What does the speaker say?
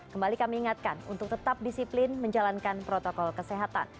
kembali kami ingatkan untuk tetap disiplin menjalankan protokol kesehatan